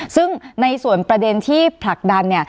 ซึ่งในส่วนประเด็นที่ผลักดันเนี่ย